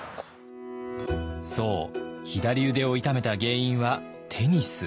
そう左腕を痛めた原因はテニス。